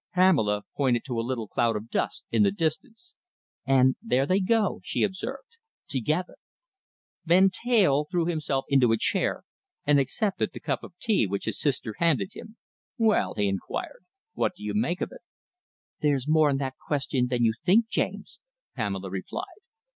Pamela pointed to a little cloud of dust in the distance. "And there they go," she observed, "together." Van Teyl threw himself into a chair and accepted the cup of tea which his sister handed him. "Well," he inquired, "what do you make of it?" "There's more in that question than you think, James," Pamela replied.